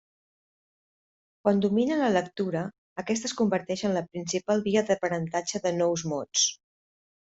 Quan dominen la lectura, aquesta es converteix en la principal via d'aprenentatge de nous mots.